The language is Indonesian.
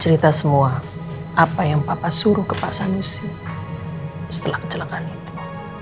cerita semua apa yang papa suruh ke pak sanusi setelah kecelakaan itu